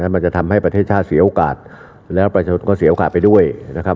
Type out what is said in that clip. มันจะทำให้ประเทศชาติเสียโอกาสแล้วประชาชนก็เสียโอกาสไปด้วยนะครับ